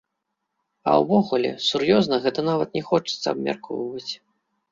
А ўвогуле, сур'ёзна гэта нават не хочацца абмяркоўваць.